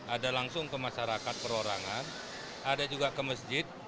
ada langsung ke masyarakat perorangan ada juga ke masjid